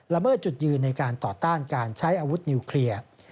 เมิดจุดยืนในการต่อต้านการใช้อาวุธนิวเคลียร์